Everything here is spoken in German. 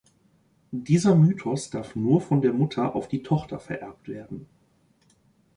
Dieser Mythos darf nur von der Mutter auf die Tochter vererbt werden.